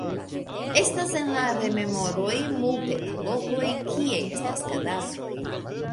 Estas en la rememoroj multe da lokoj, kie estas kadavroj.